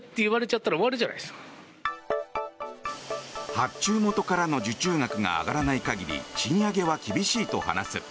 発注元からの受注額が上がらない限り賃上げは厳しいと話す。